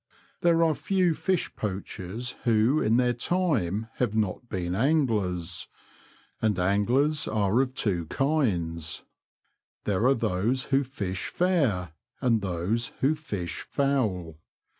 There are few fish poachers who in their time have not been anglers ; and anglers are of two kinds : there are those who fish fair, and those who fish foul.